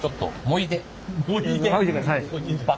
もいでください。